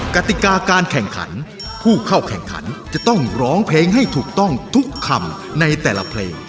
กติกาการแข่งขันผู้เข้าแข่งขันจะต้องร้องเพลงให้ถูกต้องทุกคำในแต่ละเพลง